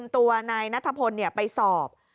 ทีนลายนัทธพลไปสอบ